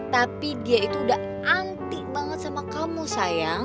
tapi dia itu udah anti banget sama kamu sayang